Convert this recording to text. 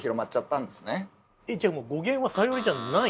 えっじゃあ語源はサヨリじゃない？